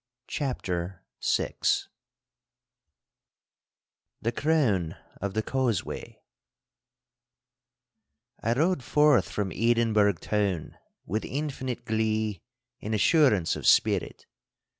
*CHAPTER VI* *THE CROWN OF THE CAUSEWAY* I rode forth from Edinburgh town with infinite glee and assurance of spirit.